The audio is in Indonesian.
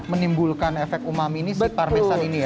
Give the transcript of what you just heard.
menimbulkan efek umami ini si parmesan ini ya